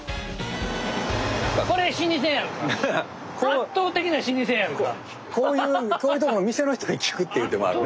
圧倒的な老舗やんか。